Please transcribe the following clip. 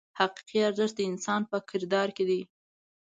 حقیقي ارزښت د انسان په کردار کې دی.